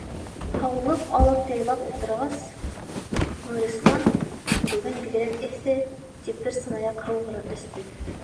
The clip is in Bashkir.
-Һаулыҡ алып яйлап ултырғас, Нурислам, бөгөн бигерәк эҫе, тип бер сынаяҡ һыу һорап эсте.